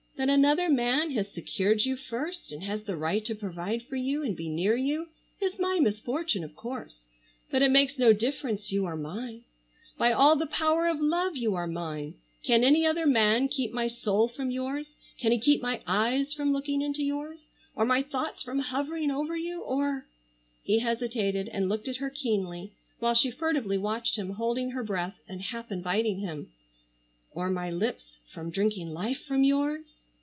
"That another man has secured you first, and has the right to provide for you, and be near you, is my misfortune of course, but it makes no difference, you are mine? By all the power of love you are mine. Can any other man keep my soul from yours, can he keep my eyes from looking into yours, or my thoughts from hovering over you, or—" he hesitated and looked at her keenly, while she furtively watched him, holding her breath and half inviting him—"or my lips from drinking life from yours?"